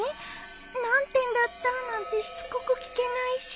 「何点だった？」なんてしつこく聞けないし